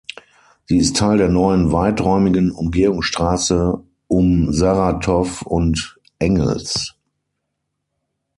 Sie ist Teil der neuen weiträumigen Umgehungsstraße um Saratow und Engels.